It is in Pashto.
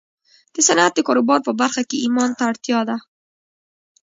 د صنعت د کاروبار په برخه کې ايمان ته اړتيا ده.